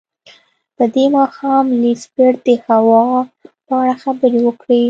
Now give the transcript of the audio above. په دې ماښام لیسټرډ د هوا په اړه خبرې وکړې.